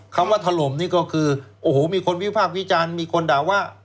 คำว่าถล่มนี่ก็คือโอ้โหมีคนวิพากษ์วิจารณ์มีคนด่าว่า